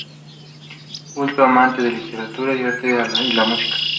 Culto, amante de la literatura, el arte y la música.